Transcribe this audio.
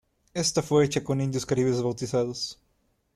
Esta fue hecha con indios caribes bautizados.